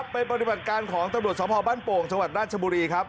เป็นปฏิบัติการของสมภาพบ้านโป่งชาวัดนาชบุรี